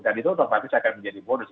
dan itu untuk pak jokowi akan menjadi bonus